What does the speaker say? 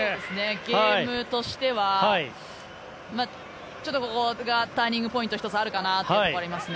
ゲームとしてはちょっと、ここがターニングポイント１つあるかなというところありますね。